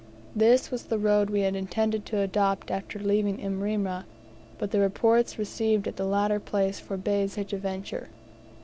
This was the road we had intended to adopt after leaving Imrera, but the reports received at the latter place forbade such a venture.